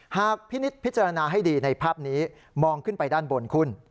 พินิษฐพิจารณาให้ดีในภาพนี้มองขึ้นไปด้านบนคุณ